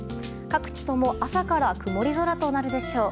各地とも朝から曇り空となるでしょう。